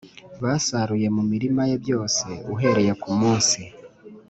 Basaruye mu mirima ye byose uhereye ku munsi